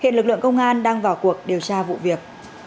hiện lực lượng công an đang vào cuộc điều tra vụ việc